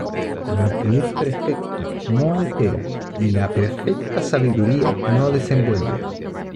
Lo que es perfecto no altera y la perfecta sabiduría no desenvuelve.